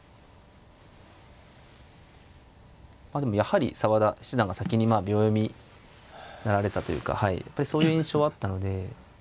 でもやはり澤田七段が先に秒読みになられたというかそういう印象はあったので。